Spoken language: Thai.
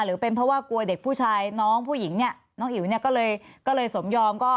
หรือเป็นเพราะว่ากลัวเด็กผู้ชายน้องผู้หญิงเนี่ยน้องอิ๋วเนี่ยก็เลยสมยอมก็